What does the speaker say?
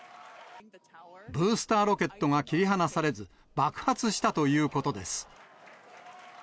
ブースターロケットが切り離されず、爆発したということです。